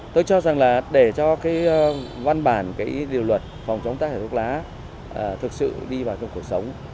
tôi chắc chắn rằng là để cho cái văn bản cái điều luật phòng chống tác hại của thuốc lá thực sự đi vào trong cuộc sống